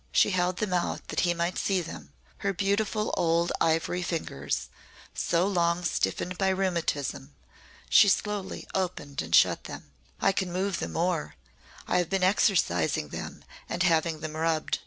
She held them out that he might see them her beautiful old ivory fingers, so long stiffened by rheumatism. She slowly opened and shut them. "I can move them more I have been exercising them and having them rubbed.